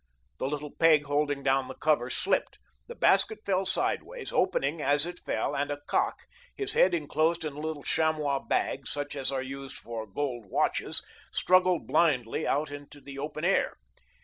The little peg holding down the cover slipped, the basket fell sideways, opening as it fell, and a cock, his head enclosed in a little chamois bag such as are used for gold watches, struggled blindly out into the open air.